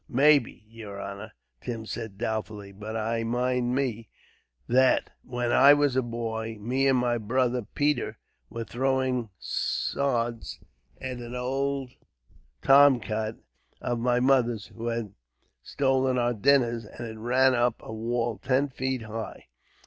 "Maybe, yer honor," Tim said doubtfully; "but I mind me that, when I was a boy, me and my brother Peter was throwing sods at an old tomcat of my mother's, who had stolen our dinners, and it ran up a wall ten feet high.